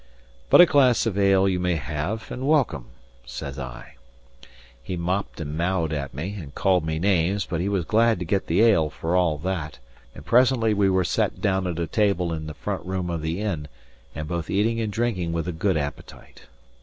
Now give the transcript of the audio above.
"But a glass of ale you may have, and welcome," said I. He mopped and mowed at me, and called me names; but he was glad to get the ale, for all that; and presently we were set down at a table in the front room of the inn, and both eating and drinking with a good appetite.